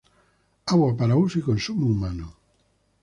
Agua para uso y consumo humano.